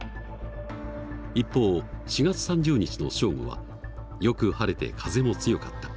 一方４月３０日の正午はよく晴れて風も強かった。